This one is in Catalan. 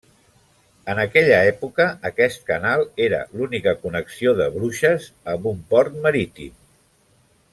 En aquella època, aquest canal era l'única connexió de Bruges amb un port marítim.